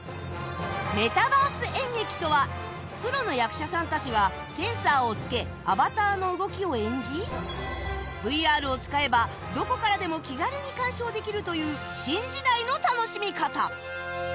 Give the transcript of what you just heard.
メタバース演劇とはプロの役者さんたちがセンサーをつけアバターの動きを演じ ＶＲ を使えばどこからでも気軽に鑑賞できるという新時代の楽しみ方